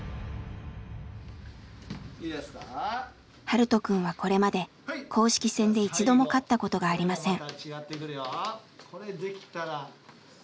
ハルトくんはこれまで公式戦で一度も勝ったことがありません。